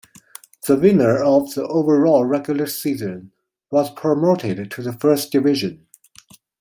The winner of the overall regular season was promoted to the first division.